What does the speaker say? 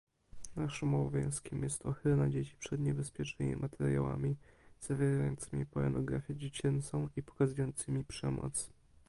Naszym obowiązkiem jest ochrona dzieci przed niebezpiecznymi materiałami zawierającymi pornografię dziecięcą i pokazującymi przemoc